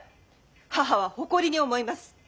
母は誇りに思います。